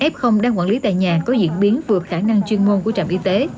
f đang quản lý tại nhà có diễn biến vượt khả năng chuyên môn của trạm y tế